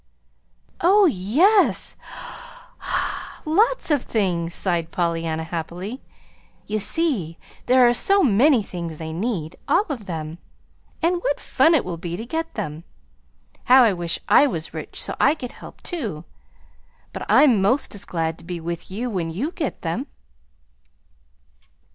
"Oh, yes, lots of things," sighed Pollyanna, happily. "You see, there are so many things they need all of them! And what fun it will be to get them! How I wish I was rich so I could help, too; but I'm 'most as glad to be with you when you get them."